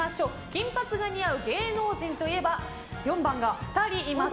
金髪が似合う芸能人といえば４番が２人います。